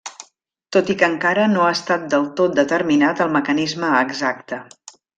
Tot i que encara no ha estat del tot determinat el mecanisme exacte.